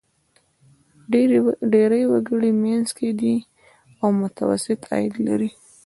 ډېری وګړي منځ کې دي او متوسط عاید لري.